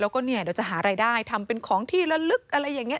แล้วก็เนี่ยเดี๋ยวจะหารายได้ทำเป็นของที่ละลึกอะไรอย่างนี้